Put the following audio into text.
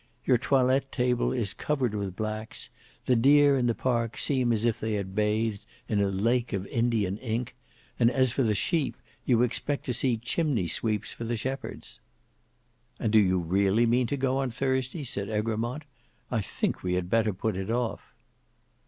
Your toilette table is covered with blacks; the deer in the park seem as if they had bathed in a lake of Indian ink; and as for the sheep, you expect to see chimney sweeps for the shepherds." "And do you really mean to go on Thursday?" said Egremont: "I think we had better put it off."